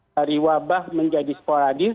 dari wabah menjadi sporadis